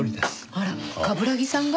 あら冠城さんが？